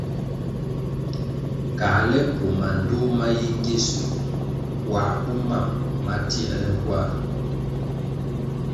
Káhle koh mandtoh ma yi ngisuer puáh bo mam ma tierle kwar.